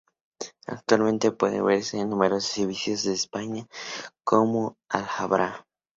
Actualmente puede verse en numerosos edificios de España, como en la Alhambra.